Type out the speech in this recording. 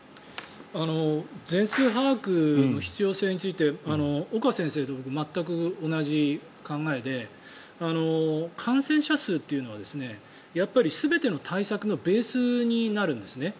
全数把握の必要性について岡先生と僕、全く同じ考えで感染者数というのはやっぱり全ての対策のベースになるんですね。